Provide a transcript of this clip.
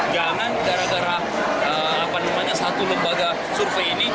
jangan gara gara satu lembaga survei ini